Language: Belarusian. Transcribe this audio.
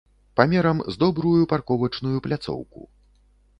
Памерам з добрую парковачную пляцоўку.